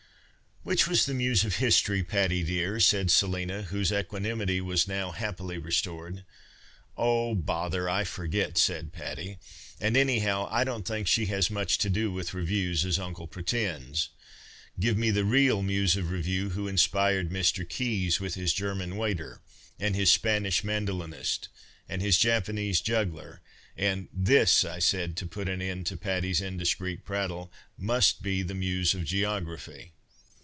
" Which was the muse of history, Patty, dear ?" said Selina, whose equanimity was now happily restored. " Oh, bother, I forget," said Patty, " and, anyhow, I don't think she has as much to do with revues as uncle pretends. Give mc the real muse of revue who inspired .Mr. Keys with his German waiter and his Spanish mandolinist and his Japanese juggler and "" This," I said, to put an end to Patty's indiscreet prattle, " must be the muse of geography."